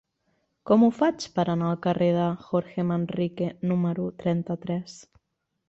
Com ho faig per anar al carrer de Jorge Manrique número trenta-tres?